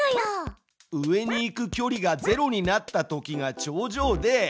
上に行く距離が０になったときが頂上で。